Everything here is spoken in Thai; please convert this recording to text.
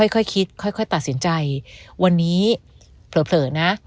ค่อยคิดค่อยตัดสินใจวันนี้เผลอนะ